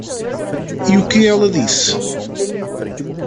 E o que ela disse?